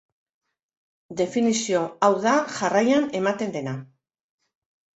Definizio hau da jarraian ematen dena.